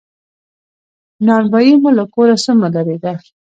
نان بایی مو له کوره څومره لری ده؟